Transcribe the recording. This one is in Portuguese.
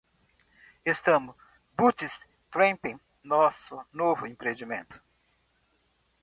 Estamos bootstrapping nosso novo empreendimento.